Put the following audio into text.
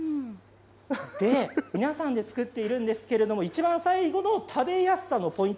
皆さんで作っているんですけれども一番最後の食べやすさのポイント。